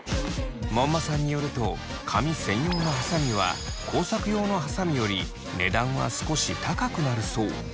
門馬さんによると髪専用のはさみは工作用のはさみより値段は少し高くなるそう。